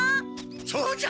そうじゃ！